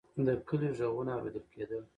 د کلي غږونه اورېدل کېدل.